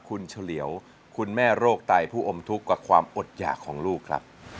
คุณเฉลียวคุณแม่โรคไตผู้อมทุกข์กับความอดหยากของลูกครับ